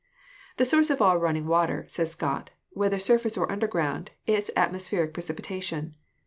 "The source of all running water," says Scott, "whether surface or underground, is atmospheric precipitation.